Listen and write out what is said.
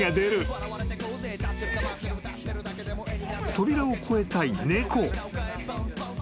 ［扉を越えたい猫］